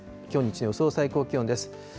きょう日中の予想最高気温です。